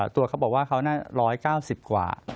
ตัวเขาบอกว่าเขาน่ะร้อยเก้าสิบกว่าอ๋อ